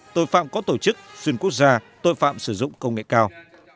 tội phạm có tổ chức xuyên quốc gia tội phạm sử dụng công nghệ cao